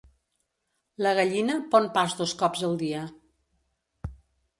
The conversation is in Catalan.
La gallina pon pas dos cops al dia.